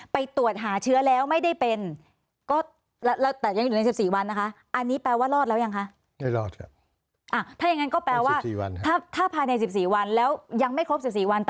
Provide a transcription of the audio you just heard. ไปตรวจหาเชื้อแล้วไม่ได้เป็น